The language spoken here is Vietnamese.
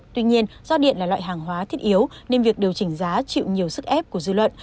tuy nhiên do điện là loại hàng hóa thiết yếu nên việc điều chỉnh giá chịu nhiều sức ép của dư luận